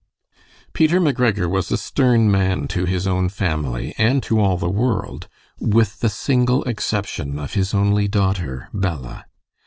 Peter McGregor was a stern man to his own family, and to all the world, with the single exception of his only daughter, Bella.